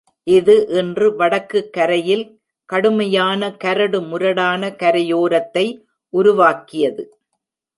இது இன்று வடக்கு கரையில் கடுமையான, கரடுமுரடான கரையோரத்தை உருவாக்கியது.